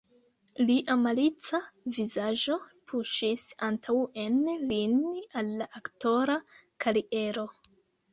Lia malica vizaĝo puŝis antaŭen lin al la aktora kariero.